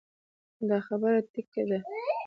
دا خبره ټيک ده -